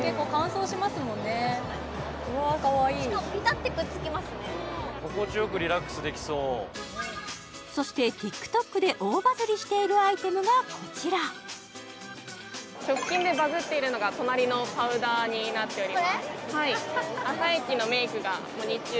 かわいい心地よくリラックスできそうそしてＴｉｋＴｏｋで大バズりしているアイテムがこちら・直近でバズっているのが隣のパウダーになっております